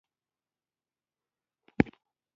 علم د اخلاقي پیاوړتیا لامل ګرځي.